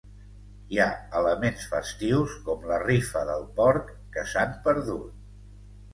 Hi ha elements festius com la rifa del porc que s'han perdut.